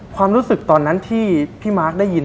ความรู้สึกตอนนั้นที่พี่มาร์คได้ยิน